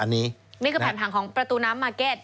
นี่คือแผ่นผังของประตูน้ำมาร์เก็ต